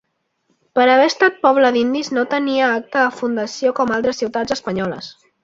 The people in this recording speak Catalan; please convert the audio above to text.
Per haver estat pobla d'indis no tenia acta de fundació com altres ciutats espanyoles.